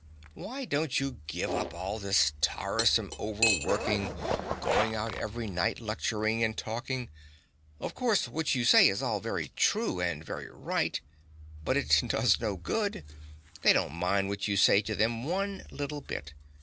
Why don't you give up all this tiresome overworking going out every night lecturing and talking? Of course what you say is all very true and very right; but it does no good: they don't mind what you say to them one little bit.